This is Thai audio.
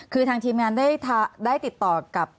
คือทางทีมงานได้ติดต่อกับ